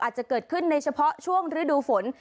อาจจะเกิดขึ้นในเฉพาะช่วงฤดูฝน